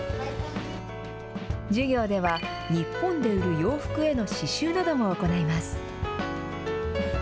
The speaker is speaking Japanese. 授業では日本で売る洋服への刺しゅうなども行います。